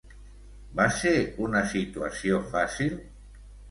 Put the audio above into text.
Va ser una situació fàcil?